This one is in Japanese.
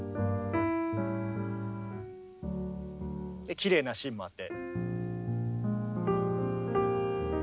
きれいなシーンもあって。